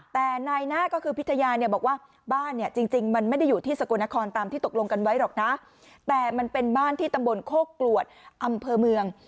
แต่นายหน้าก็คือพิทยาเนี่ยบอกว่าบ้านเนี่ยจริงมันไม่ได้อยู่ที่สกลนครตามที่ตกลงกันไว้หรอกนะแต่มันเป็นบ้านที่ตำบลโคกกลวดอำเภอเมือง